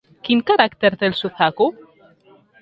Quin caràcter té el Suzaku?